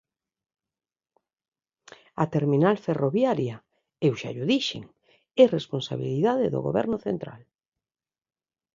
A terminal ferroviaria ―eu xa llo dixen― é responsabilidade do Goberno central.